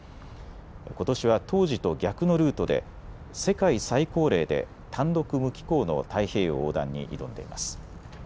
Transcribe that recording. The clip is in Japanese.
ことしは当時と逆のルートで世界最高齢で単独無寄港の太平洋横断に挑んでいます。